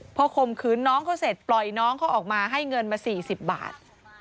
พอข่มขืนน้องเขาเสร็จปล่อยน้องเขาออกมาให้เงินมา๔๐บาท